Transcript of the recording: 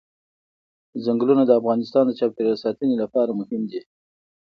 ځنګلونه د افغانستان د چاپیریال ساتنې لپاره مهم دي.